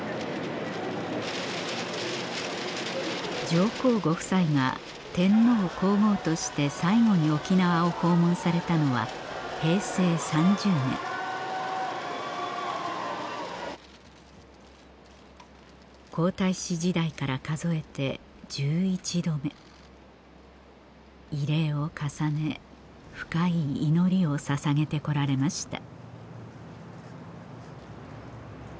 上皇ご夫妻が天皇皇后として最後に沖縄を訪問されたのは平成３０年皇太子時代から数えて１１度目慰霊を重ね深い祈りを捧げて来られました